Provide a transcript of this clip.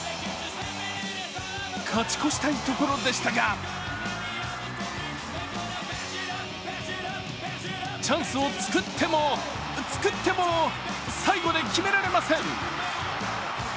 勝ち越したいところでしたがチャンスを作っても作っても最後で決められません。